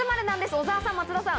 小澤さん松田さん。